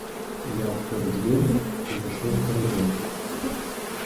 Я отпер дверь и вошел в коридор.